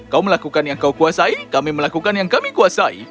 kau melakukan yang kau kuasai kami melakukan yang kami kuasai